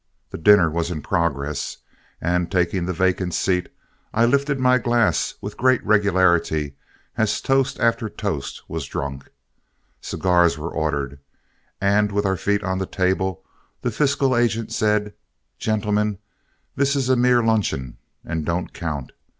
The dinner was in progress, and taking the vacant seat, I lifted my glass with great regularity as toast after toast was drunk. Cigars were ordered, and with our feet on the table, the fiscal agent said: "Gentlemen, this is a mere luncheon and don't count.